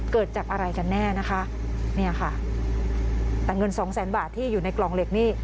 เกิดจากอะไรกันแน่นะคะเนี่ยค่ะแต่เงินสองแสนบาทที่อยู่ในกล่องเหล็กนี่